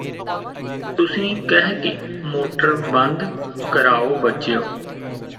ਤੁਸੀਂ ਕਹਿ ਕੇ ਮੋਟਰ ਬੰਦ ਕਰਾਓ ਬੱਚਿਓ